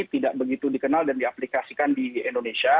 tidak begitu dikenal dan diaplikasikan di indonesia